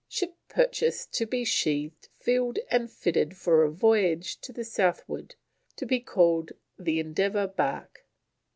Ship purchased to be sheathed, filled, and fitted for a voyage to the southward. To be called The Endeavour Bark."